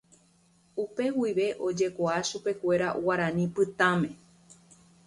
upe guive ojekuaa chupekuéra Guarani Pytãme